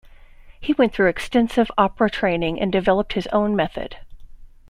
He went through extensive opera training and developed his own method.